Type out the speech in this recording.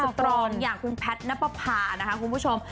ตรองอย่างคุณแพทย์นับประพานะคะคุณผู้ชม